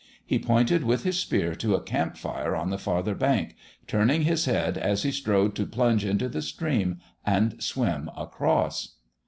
He pointed with his spear to a camp fire on the farther bank, turning his head as he strode to plunge into the stream and swim across.